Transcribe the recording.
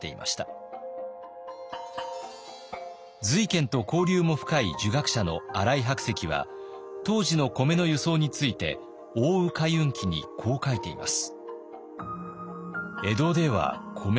瑞賢と交流も深い儒学者の新井白石は当時の米の輸送について「奥羽海運記」にこう書いています。